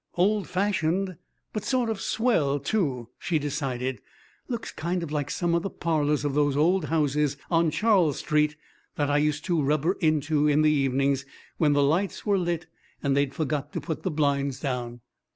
"Old fashioned but sort of swell, too," she decided. "Looks kind of like some of the parlours of those old houses on Charles Street that I used to rubber into in the evenings when the lights were lit and they'd forgot to put the blinds down."